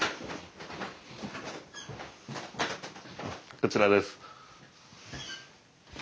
こちらです。